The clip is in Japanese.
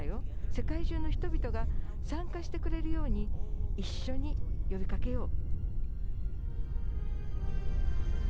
世界中の人々が参加してくれるように一緒に呼びかけよう。